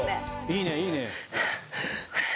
いいねいいね。